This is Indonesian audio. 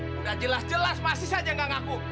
sudah jelas jelas masih saja tidak mengaku